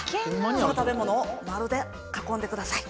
その食べ物を丸で囲んでください。